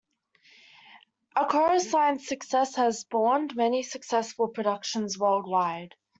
"A Chorus Line"s success has spawned many successful productions worldwide.